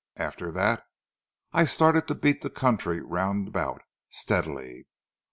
After that, I started to beat the country round about steadily.